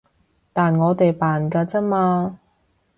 但我哋扮㗎咋嘛